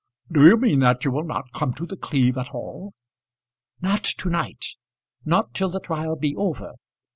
"Do you mean that you will not come to The Cleeve at all?" "Not to night; not till the trial be over.